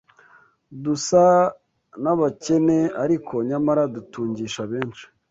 dusa n’abakene ariko, nyamara dutungisha benshi